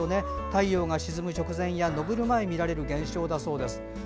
太陽が沈む直前や昇る前に見られる現象だそうです。